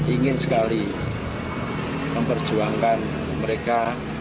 ingin sekali memperjuangkan mereka